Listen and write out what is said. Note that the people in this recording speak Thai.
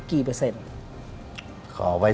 ดิงกระพวน